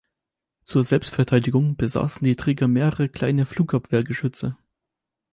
Zur Selbstverteidigung besaßen die Träger mehrere kleine Flugabwehrgeschütze.